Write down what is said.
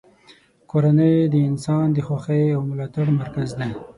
کورنۍ د انسان د خوښۍ او ملاتړ مرکز دی.